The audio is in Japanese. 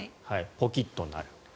ポキッと鳴る。